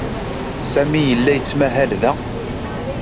Sami yella yettmahal da.